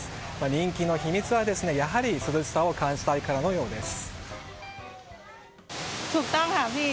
人気の秘密は、やはり涼しさを感じたいからのようです。